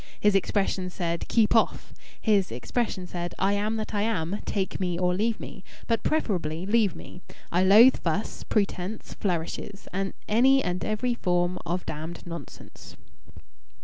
His expression said: "Keep off!" His expression said: "I am that I am. Take me or leave me, but preferably leave me. I loathe fuss, pretence, flourishes any and every form of damned nonsense."